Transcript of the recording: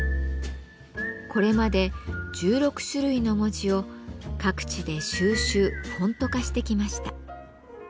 これまで１６種類の文字を各地で収集フォント化してきました。